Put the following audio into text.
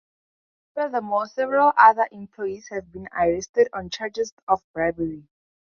Furthermore, several other employees have been arrested on charges of bribery.